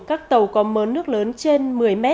các tàu có mớn nước lớn trên một mươi m